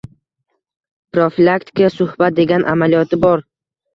«profilaktik suhbat» degan amaliyoti bor.